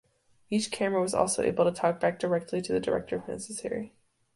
Each camera was also able to talkback directly to the director if necessary.